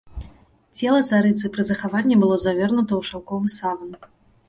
Цела царыцы пры захаванні было завернута ў шаўковы саван.